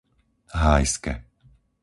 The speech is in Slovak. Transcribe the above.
Hájske